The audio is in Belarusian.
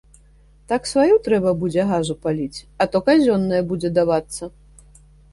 Так сваю трэба будзе газу паліць, а то казённая будзе давацца.